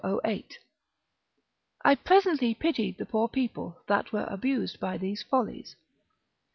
] I presently pitied the poor people that were abused by these follies.